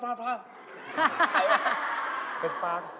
เห็ดฟาง